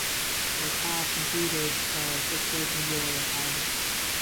The cast included Charles Bickford and Gloria Talbott.